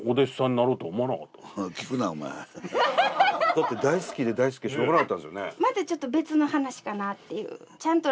だって大好きで大好きでしょうがなかったんですよね。